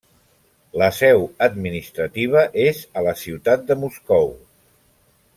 La seu administrativa és a la ciutat de Moscou.